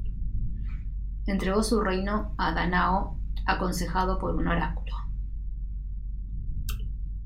Entregó su reino a Dánao aconsejado por un oráculo.